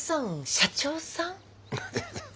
社長さん？